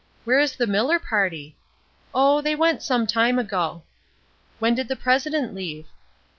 "Where is the Miller party?" "Oh, they went some time ago." "When did the president leave?"